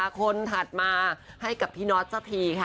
คนถัดมาให้กับพี่น็อตสักทีค่ะ